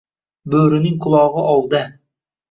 - “Bo‘rining qulog‘i ovda”.